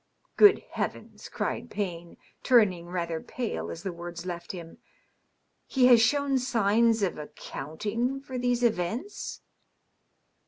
" Good heavens !" cried Payne, turning rather pale as the words left him. " He has shown signs of accounting for these events